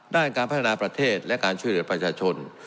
ด้านการพัฒนาประเทศและการช่วยเหลือประชาชน